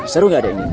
seru gak ini